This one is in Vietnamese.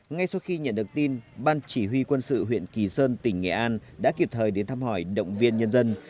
ngay sau khi nhận được tin ban chỉ huy quân sự huyện kỳ sơn tỉnh nghệ an đã kịp thời đến thăm hỏi động viên nhân dân